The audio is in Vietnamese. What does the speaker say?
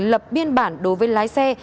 lập biên bản đối với lái xe